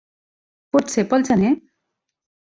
Pot ser per al gener?